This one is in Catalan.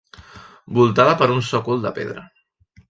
Voltada per un sòcol de pedra.